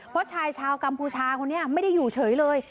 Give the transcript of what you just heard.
เพราะชายชาวกัมพูชาคนนี้ไม่ได้อยู่เฉยเลย